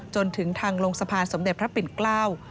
จนถึงทางลงสะพานสมเด็จพระปิ่นเกล้า